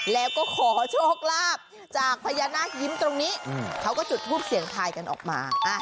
แล้วก็ขอโชคลาภจากพญานาคยิ้มตรงนี้เขาก็จุดทูปเสียงทายกันออกมา